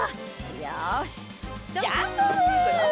よしジャンプ！